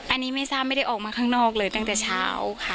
อันนี้ไม่ทราบไม่ได้ออกมาข้างนอกเลยตั้งแต่เช้าค่ะ